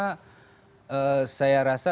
saya rasa saya tidak kutipkan untuk ini